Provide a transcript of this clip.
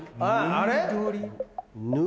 あれ？